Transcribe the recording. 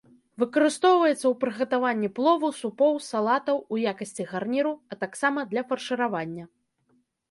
Выкарыстоўваецца ў прыгатаванні плову, супоў, салатаў, у якасці гарніру, а таксама для фаршыравання.